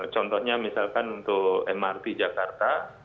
contohnya misalkan untuk mrt jakarta